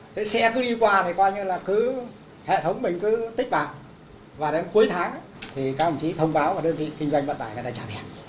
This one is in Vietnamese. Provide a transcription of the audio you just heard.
thế xe cứ đi qua thì qua như là hệ thống mình cứ tích bạc và đến cuối tháng thì các đơn vị kinh doanh vận tải trả